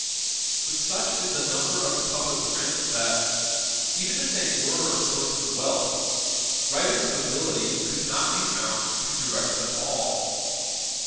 But such is the number of the public prints that, even if they were a source of wealth, writers of ability could not be found to direct them all.